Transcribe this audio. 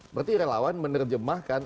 berarti relawan menerjemahkan